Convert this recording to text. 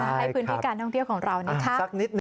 ให้พื้นที่การท่องเที่ยวของเรานะคะสักนิดนึ